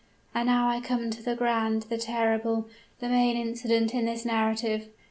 "And now I come to the grand, the terrible, the main incident in this narrative.